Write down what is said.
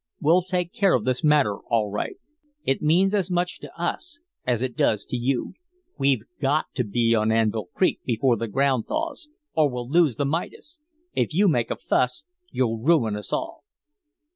Well take care of this matter all right. It means as much to us as it does to you. We've GOT to be on Anvil Creek before the ground thaws or we'll lose the Midas. If you make a fuss, you'll ruin us all."